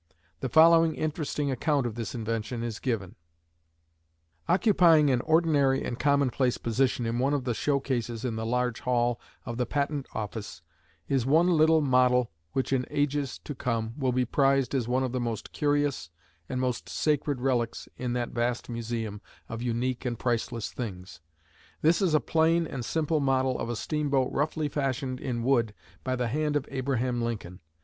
The following interesting account of this invention is given: "Occupying an ordinary and commonplace position in one of the show cases in the large hall of the Patent Office is one little model which in ages to come will be prized as one of the most curious and most sacred relics in that vast museum of unique and priceless things. This is a plain and simple model of a steamboat roughly fashioned in wood by the hand of Abraham Lincoln.